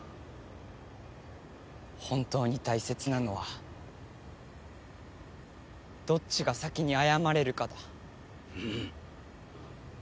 本当に大切なのはどっちが先に謝れるかだ。